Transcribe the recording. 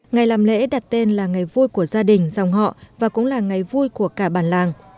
ngày làm lễ đặt tên là ngày vui của gia đình dòng họ và cũng là ngày vui của cả bản làng